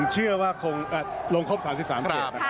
เชื่อว่าคงลงครบ๓๓เขตนะครับ